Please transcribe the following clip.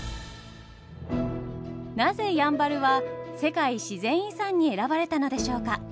なぜやんばるは世界自然遺産に選ばれたのでしょうか？